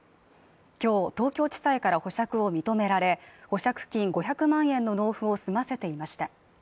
今日、東京地裁から保釈を認められ保釈金５００万円の納付を済ませていました。